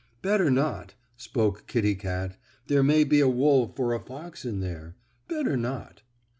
"Better not," spoke Kittie Kat. "There may be a wolf or a fox in there. Better not."